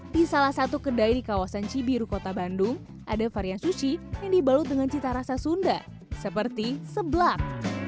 di salah satu kedai di kawasan cibiru kota bandung ada varian sushi yang dibalut dengan cita rasa sunda seperti seblak